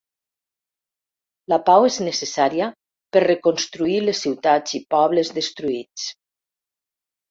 La pau és necessària per reconstruir les ciutats i pobles destruïts.